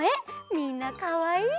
みんなかわいい！